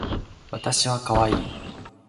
わたしはかわいい